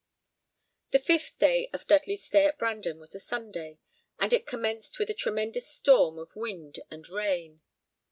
The fifth day of Dudley's stay at Brandon was a Sunday, and it commenced with a tremendous storm of wind and rain.